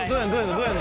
どうやんの？